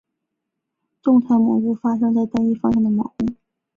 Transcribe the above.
动态模糊发生在单一方向的模糊。